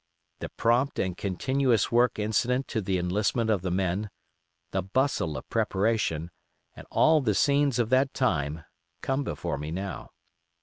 The prompt and continuous work incident to the enlistment of the men, the bustle of preparation, and all the scenes of that time, come before me now.